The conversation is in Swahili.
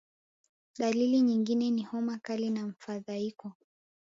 Dalili nyingine ni homa kali na mfadhaiko